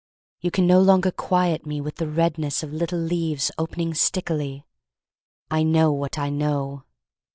You can no longer quiet me with the redness Of little leaves opening stickily. I know what I know.